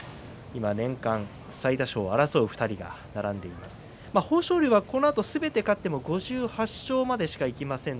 年間、最多勝争う２人豊昇龍はこのあとすべて勝っても５８勝までしかいきません。